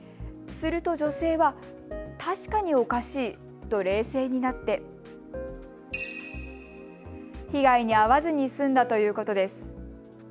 すると女性は確かにおかしいと冷静になって被害に遭わずに済んだということです。